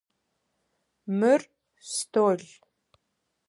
Мыр стол.